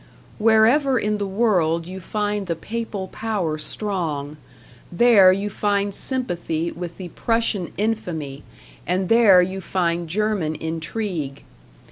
Wherever in the world you find the Papal power strong, there you find sympathy with the Prussian infamy and there you find German intrigue.